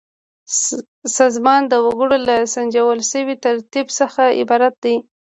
سازمان د وګړو له سنجول شوي ترتیب څخه عبارت دی.